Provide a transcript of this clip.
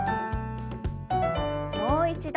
もう一度。